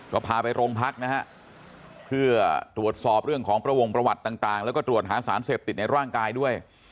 ก็พาไปโรงพักนะฮะเพื่อตรวจสอบเรื่องของประวงประวัติต่างแล้วก็ตรวจหาสารเสพติดในร่างกายด้วย